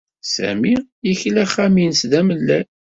Sami yekla axxam-nnes d amellal.